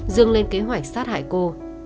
dương lên kế hoạch sát hại cô